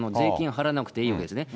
払わなくていいわけですね。